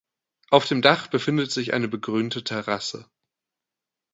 Auf dem Dach befindet sich eine begrünte Terrasse.